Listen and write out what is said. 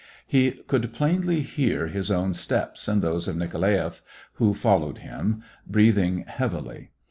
He could plainly hear his own steps and those of Nikolaeff, who followed him, breathing heavily.